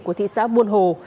của thị xã buôn hồ